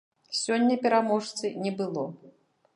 Сёння пераможцы не было.